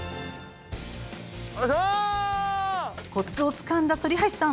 コツをつかんだ反橋さん